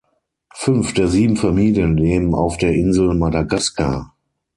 Fünf der sieben Familien leben auf der Insel Madagaskar.